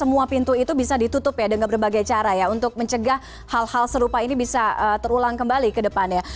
semua pintu itu bisa ditutup ya dengan berbagai cara ya untuk mencegah hal hal serupa ini bisa terulang kembali ke depannya